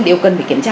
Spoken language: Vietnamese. đều cần phải kiểm tra